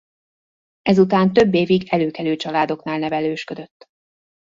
Ezután több évig előkelő családoknál nevelősködött.